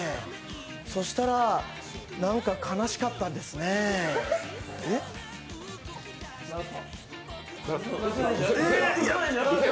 そしたら、なんか悲しかったんですねー。